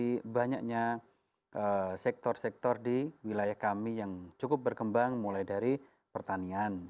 jadi banyaknya sektor sektor di wilayah kami yang cukup berkembang mulai dari pertanian